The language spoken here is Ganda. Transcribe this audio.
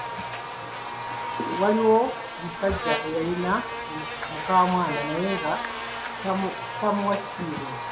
Waaliwo omusajja eyalina mukaamwana naye nga tamuwa kitiibwa.